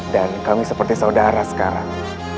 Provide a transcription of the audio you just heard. dan kami seperti saudara sekarang